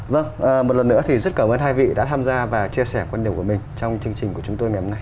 vâng một lần nữa thì rất cảm ơn hai vị đã tham gia và chia sẻ quan điểm của mình trong chương trình của chúng tôi ngày hôm nay